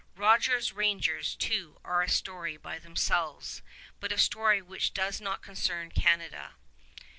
Rogers' Rangers, too, are a story by themselves, but a story which does not concern Canada.